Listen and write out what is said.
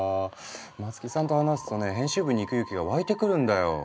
松木さんと話すとね編集部に行く勇気が湧いてくるんだよ。